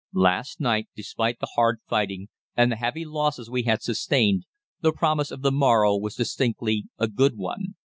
"Last night, despite the hard fighting and the heavy losses we had sustained, the promise of the morrow was distinctly a good one.